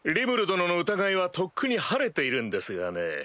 殿の疑いはとっくに晴れているんですがね。